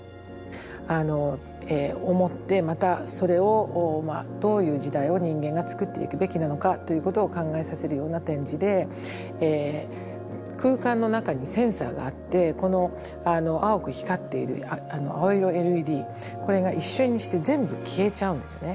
あのえ思ってまたそれをどういう時代を人間が作っていくべきなのかということを考えさせるような展示で空間の中にセンサーがあって青く光っている青色ＬＥＤこれが一瞬にして全部消えちゃうんですよね。